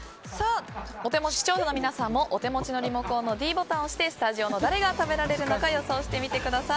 視聴者の皆さんもお手持ちのリモコンのｄボタンを押してスタジオの誰が食べられるのか予想してみてください。